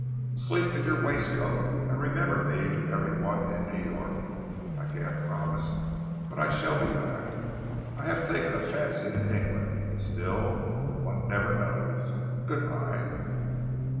Sleep in your waistcoat, and remember me to every one in New York. I can't promise when I shall be back. I have taken a fancy to England. Still, one never knows. Good by."